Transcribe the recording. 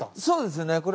そうですね